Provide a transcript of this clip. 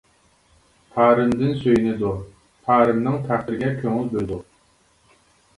تارىمدىن سۆيۈنىدۇ، تارىمنىڭ تەقدىرىگە كۆڭۈل بۆلىدۇ.